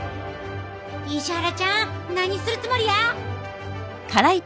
石原ちゃん何するつもりや！